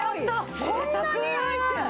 こんなに入ってんの？